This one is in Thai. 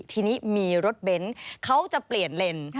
ทีนี้มีรถเบนท์เขาจะเปลี่ยนเลน